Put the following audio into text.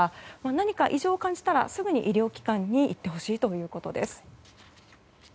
何か異常を感じたら、すぐに医療機関に行ってほしいということです。